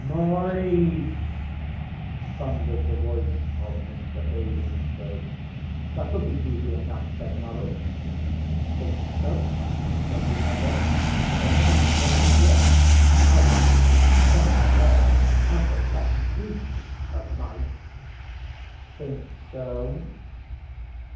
('Maurice!' thundered the voice of Mr. Basingstoke.) 'That'll be easy enough,' said Maurice. 'Think so?' said the other. 'But I sha'n't try yet. I want to have some fun first. I shall catch heaps of mice!' 'Think so?